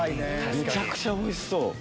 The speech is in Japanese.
めちゃくちゃおいしそう。